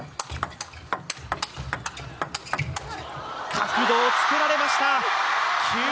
角度をつけられました。